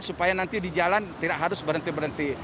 supaya nanti di jalan tidak harus berhenti berhenti